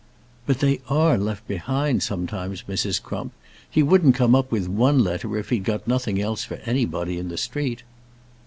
"But they are left behind sometimes, Mrs. Crump. He wouldn't come up with one letter if he'd got nothing else for anybody in the street."